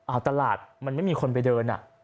เอาตลาดมันไม่มีคนไปเดินอ่ะ